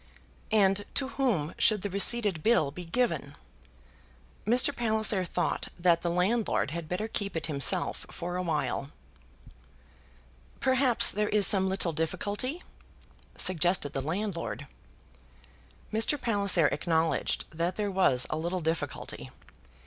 "And to whom should the receipted bill be given?" Mr. Palliser thought that the landlord had better keep it himself for a while. "Perhaps there is some little difficulty?" suggested the landlord. Mr. Palliser acknowledged that there was a little difficulty.